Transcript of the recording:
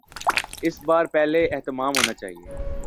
اس بار پہلے سے اہتمام ہونا چاہیے۔